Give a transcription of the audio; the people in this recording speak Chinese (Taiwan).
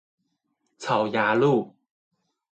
草衙路